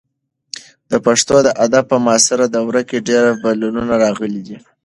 د پښتو ادب په معاصره دوره کې ډېر بدلونونه راغلي دي.